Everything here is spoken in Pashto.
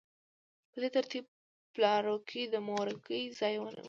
په دې ترتیب پلارواکۍ د مورواکۍ ځای ونیو.